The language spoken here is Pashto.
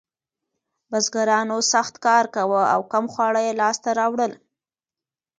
بزګرانو سخت کار کاوه او کم خواړه یې لاسته راوړل.